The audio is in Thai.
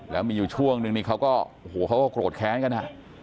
แล้วมีอยู่ช่วงนึงนี่เขาก็โอ้โหเขาก็โกรธแค้นกัน